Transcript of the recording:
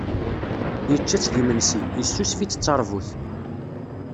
Yečča-tt d imensi, yessusef-itt d tarbut.